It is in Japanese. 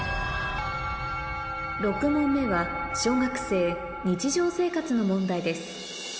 ６問目は小学生日常生活の問題です